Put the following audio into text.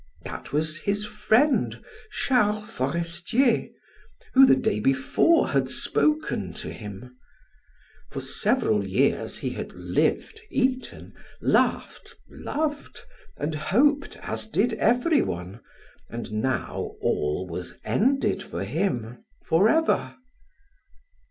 That was his friend, Charles Forestier, who the day before had spoken to him. For several years he had lived, eaten, laughed, loved, and hoped as did everyone and now all was ended for him forever.